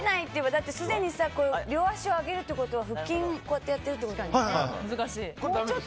だって、すでに両足を上げるってことは腹筋こうやってるってことでしょ。